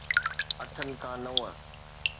اٺن کان نو